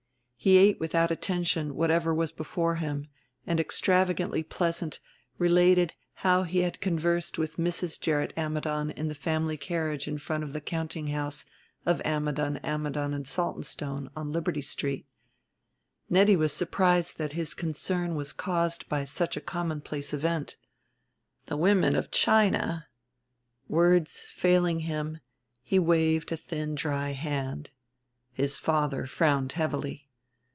He ate without attention whatever was before him, and extravagantly pleasant, related how he had conversed with Mrs. Gerrit Ammidon in the family carriage in front of the countinghouse of Ammidon, Ammidon and Saltonstone on Liberty Street. Nettie was surprised that his concern was caused by such a commonplace event. "The women of China ." Words failing him, he waved a thin dry hand. His father frowned heavily.